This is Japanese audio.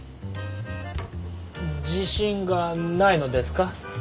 自信がないのですか？